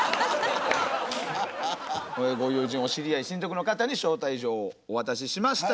親ご友人お知り合い親族の方に招待状をお渡ししました。